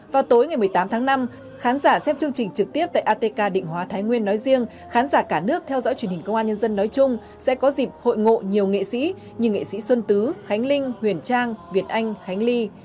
vào tối ngày một mươi tám tháng năm khán giả xem chương trình trực tiếp tại atk định hóa thái nguyên nói riêng khán giả cả nước theo dõi truyền hình công an nhân dân nói chung sẽ có dịp hội ngộ nhiều nghệ sĩ như nghệ sĩ xuân tứ khánh linh huyền trang việt anh khánh ly